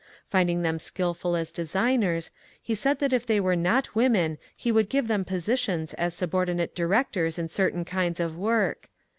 Finding them skilful as designers, he said that if they were not women he could give them posi tions as subordinate directors in certain kinds of work.